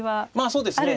そうですね。